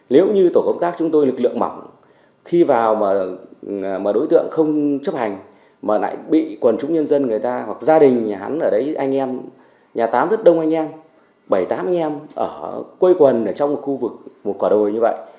nếu như tổ công tác chúng tôi lực lượng mỏng khi vào mà đối tượng không chấp hành mà lại bị quần chúng nhân dân người ta hoặc gia đình nhà hắn ở đấy anh em nhà tám rất đông anh em bảy tám anh em ở quây quần ở trong một khu vực một quả đồi như vậy